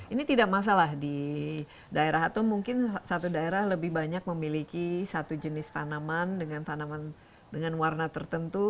ini tidak masalah di daerah atau mungkin satu daerah lebih banyak memiliki satu jenis tanaman dengan tanaman dengan warna tertentu